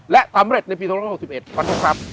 และสำเร็จในปี๒๖๑ขอโทษครับ